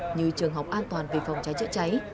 các mô hình như trường học an toàn vì phòng cháy chữa cháy